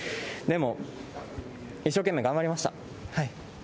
でも、一生懸命頑張りました。